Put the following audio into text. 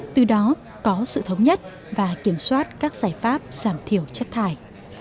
từ đó có sự thống nhất và kiểm soát các giải pháp giảm thiểu chất thải